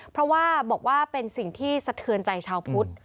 เพราะว่าบอกว่าเป็นสิ่งที่สะเทือนใจชาวพุทธ